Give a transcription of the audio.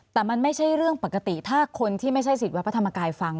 แต่มันไม่ใช่เรื่องปกติถ้าคนที่ไม่ใช่สิทธิ์วัดพระธรรมกายฟัง